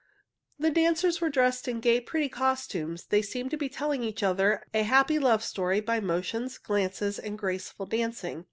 The dancers were dressed in gay, pretty costumes. They seemed to be telling each other a happy love story by motions, glances, and graceful dancing.